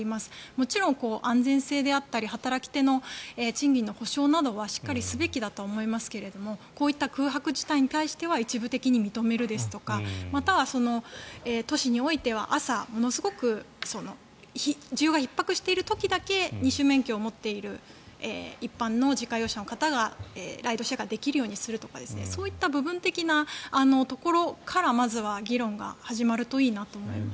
もちろん安全性だったり働き手の賃金の保証などはしっかりすべきだと思いますがこういった空白地帯については一部認めるとかまたは都市においては朝、ものすごく需要がひっ迫している時だけ２種免許を持っている一般の自家用車の方がライドシェアができるようにするとかそういった部分的なところからまずは議論が始まるといいなと思います。